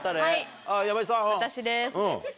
はい私です。